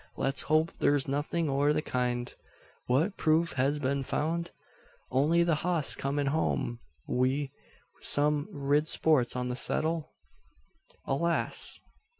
Let's hope thur's nothin' o' the kind. What proof hez been found? Only the hoss comin' home wi' some rid spots on the seddle?" "Alas!